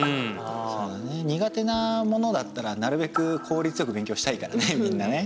そうだね苦手なものだったらなるべくこうりつよく勉強したいからねみんなね。